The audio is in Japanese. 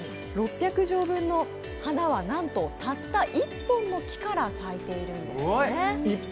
６００畳分の花はたった１本の木から咲いているんですね。